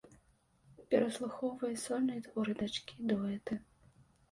Пераслухоўвае сольныя творы дачкі, дуэты.